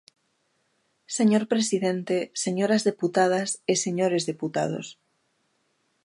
Señor presidente, señoras deputadas e señores deputados.